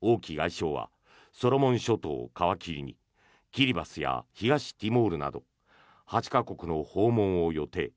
王毅外相はソロモン諸島を皮切りにキリバスや東ティモールなど８か国の訪問を予定。